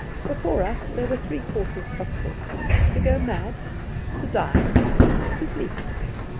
Before us there were three courses possible to go mad, to die, to sleep.